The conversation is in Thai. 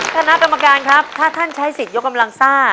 คณะกรรมการครับถ้าท่านใช้สิทธิ์ยกกำลังซ่า